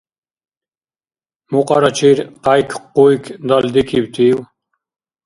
Мукърачир къяйк-къуйк далдикибтив?